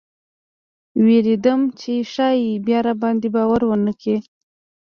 ویرېدم چې ښایي بیا راباندې باور ونه کړي.